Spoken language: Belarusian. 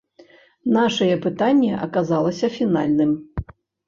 Нашае пытанне аказалася фінальным.